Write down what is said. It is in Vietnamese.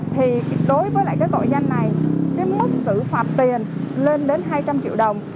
thì đối với lại cái tội danh này cái mức xử phạt tiền lên đến hai trăm linh triệu đồng